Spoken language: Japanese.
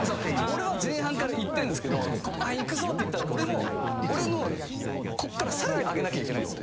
俺は前半からいってんすけど「後半いくぞ」って言ったら俺も俺のこっからさらに上げなきゃいけないんす。